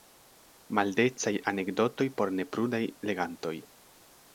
Maldecaj anekdotoj por neprudaj legantoj.